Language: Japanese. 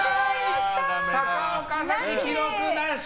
高岡早紀、記録なし！